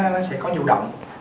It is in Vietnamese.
nó sẽ có dự động